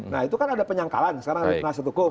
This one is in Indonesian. nah itu kan ada penyangkalan sekarang dari penasihat hukum